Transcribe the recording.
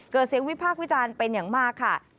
เกิดเสียงวิพากษ์วิจารณ์เป็นอย่างมากค่ะ